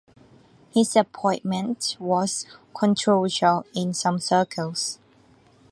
His appointment was controversial in some circles.